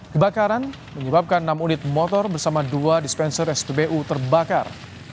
kebakaran menyebabkan enam unit motor bersama dua dispenser spbu terbakar